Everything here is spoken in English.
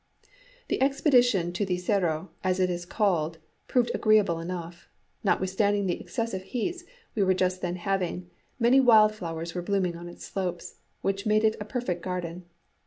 The expedition to the cerro, as it is called, proved agreeable enough. Notwithstanding the excessive heats we were just then having, many wild flowers were blooming on its slopes, which made it a perfect garden.